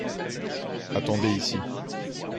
Attendez ici.